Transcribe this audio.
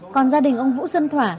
còn gia đình ông vũ xuân thỏa